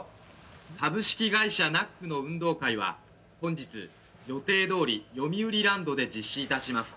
株式会社ナックの運動会は本日予定どおりよみうりランドで実施いたします。